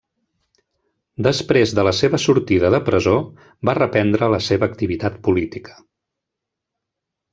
Després de la seva sortida de presó va reprendre la seva activitat política.